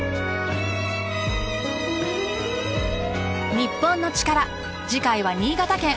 『日本のチカラ』次回は新潟県。